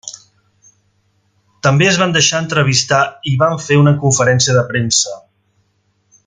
També es van deixar entrevistar i van fer una conferència de premsa.